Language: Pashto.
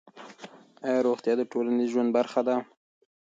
آیا روغتیا د ټولنیز ژوند برخه ده؟